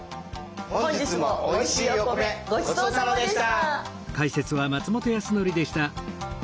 本日もおいしいお米ごちそうさまでした。